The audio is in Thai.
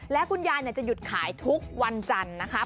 และคุณยายจะหยุดขายทุกวันจันทร์นะคะ